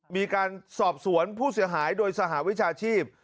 มีการสอบสวนผู้เสียหายโดยสหวิชาชีพ